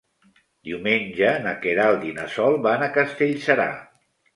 Diumenge na Queralt i na Sol van a Castellserà.